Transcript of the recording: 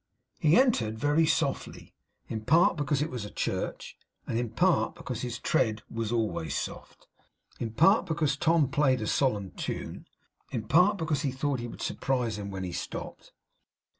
He entered very softly; in part because it was a church; in part because his tread was always soft; in part because Tom played a solemn tune; in part because he thought he would surprise him when he stopped.